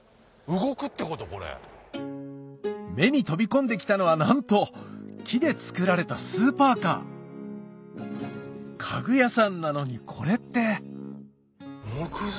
目に飛び込んで来たのはなんと木でつくられたスーパーカー家具屋さんなのにこれって？